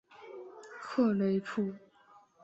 特雷普。